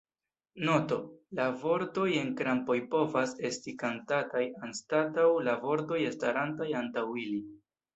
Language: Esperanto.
Noto: La vortoj en krampoj povas esti kantataj anstataŭ la vortoj starantaj antaŭ ili.